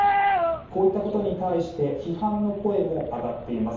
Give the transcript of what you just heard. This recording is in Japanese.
こういったことに対して批判の声も上がっています。